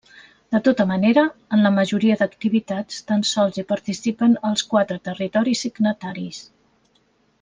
De tota manera, en la majoria d’activitats tan sols hi participen els quatre territoris signataris.